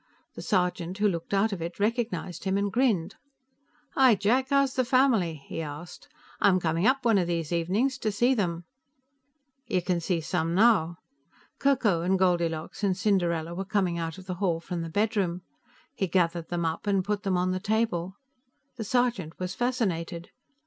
The sergeant who looked out of it recognized him and grinned. "Hi, Jack. How's the family?" he asked. "I'm coming up, one of these evenings, to see them." "You can see some now." Ko Ko and Goldilocks and Cinderella were coming out of the hall from the bedroom; he gathered them up and put them on the table. The sergeant was fascinated.